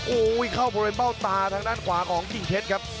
โอ้โหเข้าบริเวณเบ้าตาทางด้านขวาของกิ่งเพชรครับ